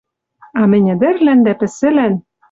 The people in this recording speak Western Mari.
А мӹнь ӹдӹрлӓн дӓ пӹсӹлӓн